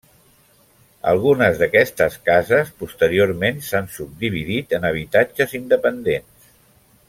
Algunes d'aquestes cases posteriorment s'han subdividit en habitatges independents.